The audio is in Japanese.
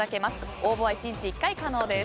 応募は１日１回可能です。